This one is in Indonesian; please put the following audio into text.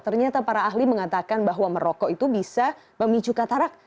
ternyata para ahli mengatakan bahwa merokok itu bisa memicu katarak